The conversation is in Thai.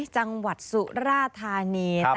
จังหวัดสุราธานี